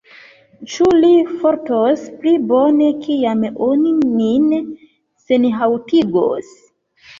Ĉu li fartos pli bone, kiam oni nin senhaŭtigos?